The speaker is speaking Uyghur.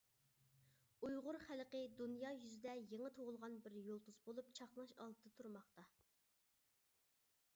ئۇيغۇر خەلقى دۇنيا يۈزىدە يېڭى تۇغۇلغان بىر يۇلتۇز بولۇپ چاقناش ئالدىدا تۇرماقتا.